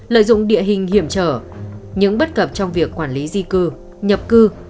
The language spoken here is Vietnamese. lợi dụng địa hình hiểm trở những bất cập trong việc quản lý di cư nhập cư